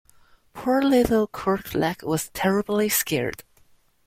Poor little Crooked-Leg was terribly scared.